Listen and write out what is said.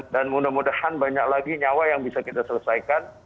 dan mudah mudahan banyak lagi nyawa yang bisa kita selesaikan